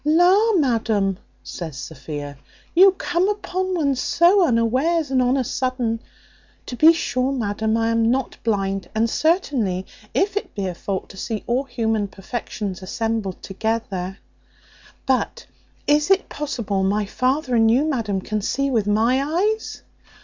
"La, madam," says Sophia, "you come upon one so unawares, and on a sudden. To be sure, madam, I am not blind and certainly, if it be a fault to see all human perfections assembled together but is it possible my father and you, madam, can see with my eyes?"